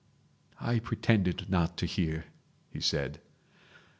"I pretended not to hear," he said.